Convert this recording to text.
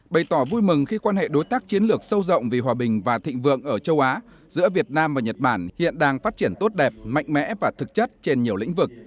bày tỏ vui mừng khi quan hệ đối tác chiến lược sâu rộng vì hòa bình và thịnh vượng ở châu á giữa việt nam và nhật bản hiện đang phát triển tốt đẹp mạnh mẽ và thực chất trên nhiều lĩnh vực